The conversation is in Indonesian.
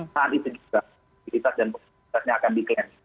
saat itu kita dan pemerintahnya akan di clance